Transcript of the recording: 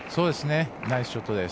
ナイスショットです。